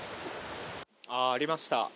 あー、ありました。